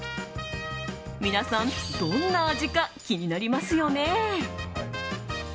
皆さんどんな味か気になりますよね。